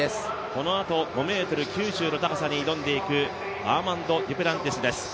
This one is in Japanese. このあと５ｍ９０の高さに挑んでいくアーマンド・デュプランティスです。